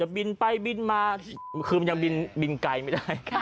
บินไปบินมาคือมันยังบินไกลไม่ได้